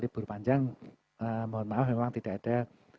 libur panjang mohon maaf memang tidak ada